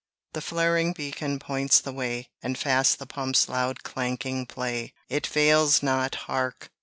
The flaring beacon points the way, And fast the pumps loud clanking play: It 'vails not hark!